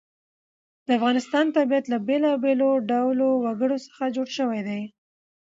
د افغانستان طبیعت له بېلابېلو ډولو وګړي څخه جوړ شوی دی.